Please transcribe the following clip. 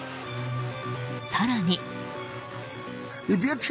更に。